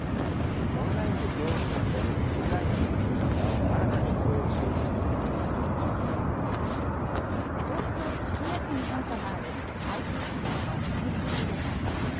オンラインで業務に当たるウクライナのエンジニアを新たに雇東京・渋谷区に本社があるＩＴ企業のアイスリーデザイン。